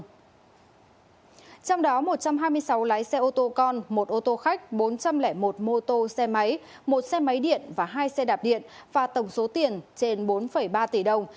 trong đó một trăm hai mươi sáu lái xe ô tô con một ô tô khách bốn trăm linh một mô tô xe máy một xe máy điện và hai xe đạp điện và tổng số tiền trên bốn ba tỷ đồng